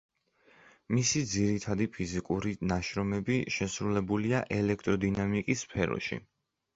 მისი ძირითადი ფიზიკური ნაშრომები შესრულებულია ელექტროდინამიკის სფეროში.